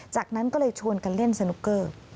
จากนั้นก็เลยชวนกันเล่นสนุกเกอร์